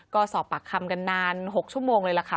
ก็สอบปากคำกันนาน๖ชั่วโมงเลยล่ะค่ะ